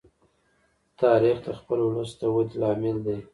تاریخ د خپل ولس د وده لامل دی.